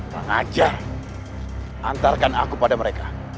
pak jajaran antarkan aku pada mereka